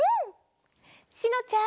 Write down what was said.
しのちゃん。